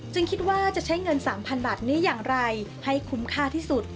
คิดว่าจะใช้เงิน๓๐๐๐บาทนี้อย่างไรให้คุ้มค่าที่สุด